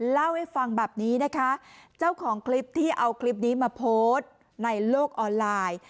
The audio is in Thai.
เล่าให้ฟังแบบนี้นะคะเจ้าของคลิปที่เอาคลิปนี้มาโพสต์ในโลกออนไลน์